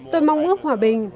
tôi mong ước hòa bình